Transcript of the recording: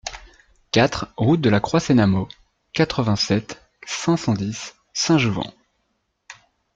quatre route de la Croix Sénamaud, quatre-vingt-sept, cinq cent dix, Saint-Jouvent